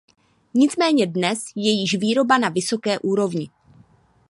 Nicméně dnes je již výroba na vysoké úrovni.